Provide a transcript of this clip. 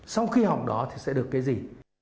sau khi học đó thì sẽ được cái gì